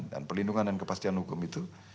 dan perlindungan dan kepastian hukum itu